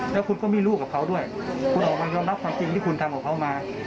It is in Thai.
แล้วคุณก็มีลูกกับเขาด้วยคุณออกมายอมรับความจริงที่คุณทำของเขามา